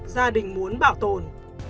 gia đình muốn bảo tồn